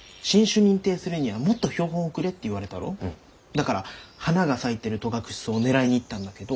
だから花が咲いてる戸隠草を狙いに行ったんだけど。